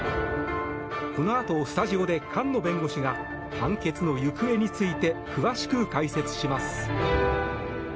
このあとスタジオで菅野弁護士が判決の行方について詳しく解説します。